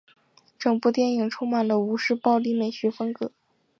整部电影充满了吴氏暴力美学风格。